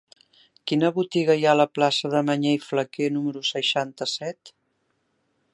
Quina botiga hi ha a la plaça de Mañé i Flaquer número seixanta-set?